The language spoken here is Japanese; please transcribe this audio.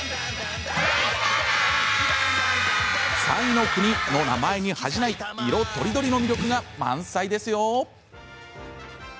彩の国の名前に恥じない色とりどりの魅力が満載ですよ。